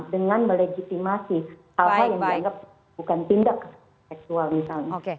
dengan melegitimasi hal hal yang dianggap bukan tindak kekerasan seksual misalnya